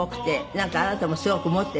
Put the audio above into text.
なんかあなたもすごくモテて。